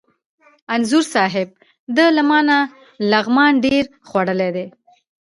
انځور صاحب! ده له ما نه لغمان ډېر خوړلی دی.